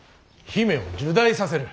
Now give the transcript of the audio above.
姫を入内させる。